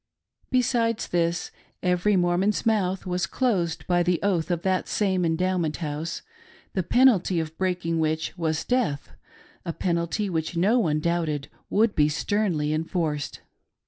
^Besides this, every Mormon's mouth was closed by the oath of that same Endowment House — the penalty of breaking which was death — a penalty which no one doubted would be sternly enforced.